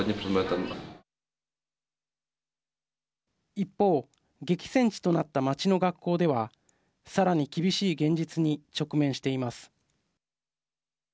一方、激戦地となった町の学校ではさらに厳しい現実に直面しています。